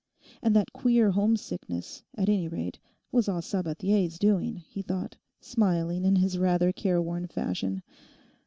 And that queer homesickness, at any rate, was all Sabathier's doing, he thought, smiling in his rather careworn fashion.